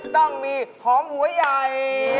ต้องมีหอมหัวใหญ่